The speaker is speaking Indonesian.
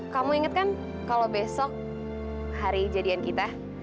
kamu inget kan kalau besok hari jadian kita